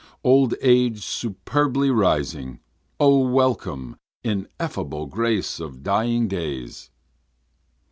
Old age superbly rising! O welcome, ineffable grace of dying days!